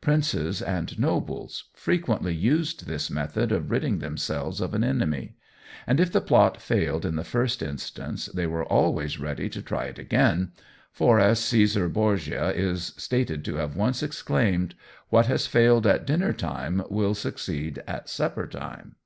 Princes and nobles frequently used this method of ridding themselves of an enemy; and if the plot failed in the first instance, they were always ready to try it again, for, as Cæsar Borgia is stated to have once exclaimed, "what has failed at dinner time will succeed at supper time."